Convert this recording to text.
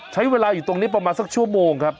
ใช้เวลาอยู่ตรงนี้ประมาณสักชั่วโมงครับ